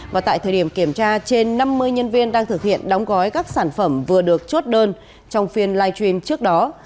và tại thời điểm kiểm tra trên năm mươi nhân viên đang thực hiện đóng gói các sản phẩm vừa được chốt đơn trong phiên live stream trước đó